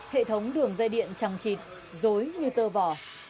hệ thống đường dây điện trăng trịt dối như tơ vỏ